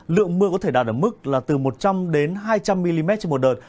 lượng mưa có thể đạt ở mức là từ một trăm linh hai trăm linh mm trên một đợt